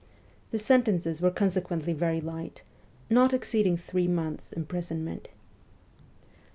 The sentences were consequently very light, not exceeding three months' imprisonment.